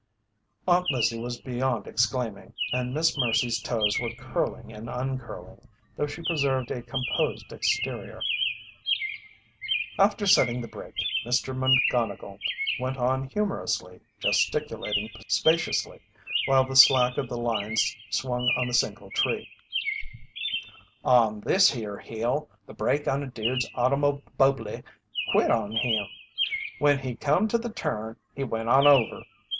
Aunt Lizzie was beyond exclaiming, and Miss Mercy's toes were curling and uncurling, though she preserved a composed exterior. After setting the brake, McGonnigle went on humorously, gesticulating spaciously while the slack of the lines swung on the single tree: "On this here hill the brake on a dude's automo bubbly quit on him. When he come to the turn he went on over.